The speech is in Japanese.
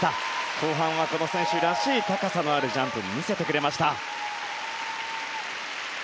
後半はこの選手らしい高さのあるジャンプ見せました。